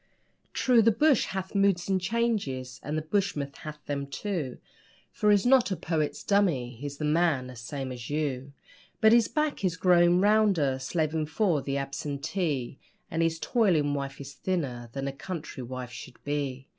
True, the bush 'hath moods and changes' and the bushman hath 'em, too, For he's not a poet's dummy he's a man, the same as you; But his back is growing rounder slaving for the absentee And his toiling wife is thinner than a country wife should be.